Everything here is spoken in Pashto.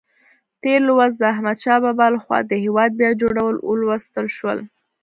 تېر لوست د احمدشاه بابا لخوا د هېواد بیا جوړول ولوستل شول.